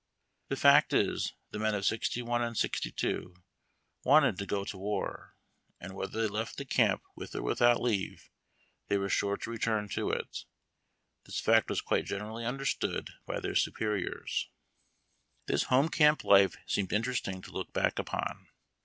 The fact is, the men of '61 and '62 ivanted to go to ivar, and, whether they left the camp witli or without leave, they were sure to return to it. This fact was quite generally understood by their superiors. This home camp life seems interesting to look back upon.